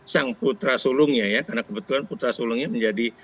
sang putra sulungnya ya karena kebetulan putra sulungnya menjadi